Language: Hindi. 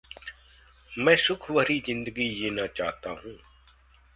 मैं सुखभरी ज़िन्दगी जीना चाहता हूँ।